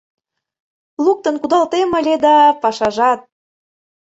Луктын кудалтем ыле да — пашажат!